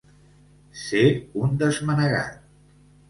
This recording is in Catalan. Ser un desmanegat.